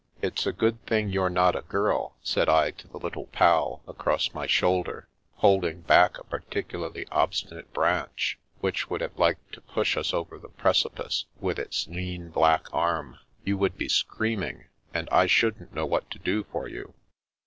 " It's a good thing you're not a girl," said I to the Little Pal, across my shoul der, holding back a particularly obstinate branch which would have liked to push us over the preci pice, with its lean black arm. "You would be screaming, and I shouldn't know what to do for you."